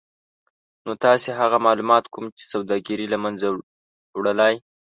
نو تاسې هغه مالومات کوم چې سوداګري له منځه وړلای